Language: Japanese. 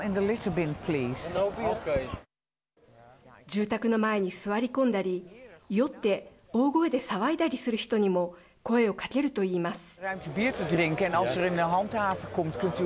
住宅の前に座り込んだり酔って大声で騒いだりする人にも声をかけるといいます。